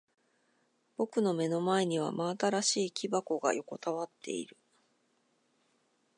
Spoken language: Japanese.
僕の目の前には真新しい木箱が横たわっている。